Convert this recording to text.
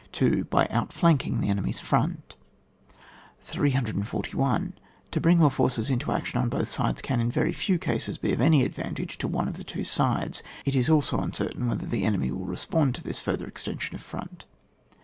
2. By outflanking the enemy's front. 341. To bring more forces into action on both sides can in very few cases be of any advantage to one of the two sides, it is also uncertain whether the enemy will re« spend to this further extension of front.